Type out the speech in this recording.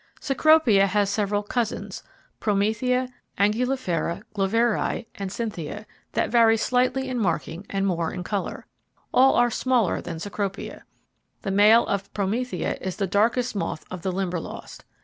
Cecropia has several 'Cousins,' Promethea, Angulifera, Gloveri, and Cynthia, that vary slightly in marking and more in colour. All are smaller than Cecropia. The male of Promethea is the darkest moth of the Limberlost.